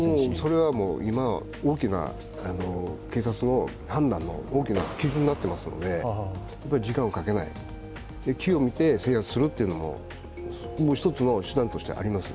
それは今、警察の判断の大きな基準になっていますので、時間をかけない、機を見て制圧するというのももう一つの手段としてあります。